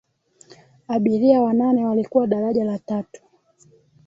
abiria wanane walikuwa daraja la tatu